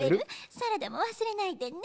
「サラダもわすれないでね